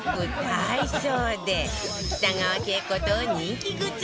ダイソーで北川景子と人気グッズ